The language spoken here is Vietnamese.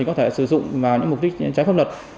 có thể sử dụng vào những mục đích trái pháp luật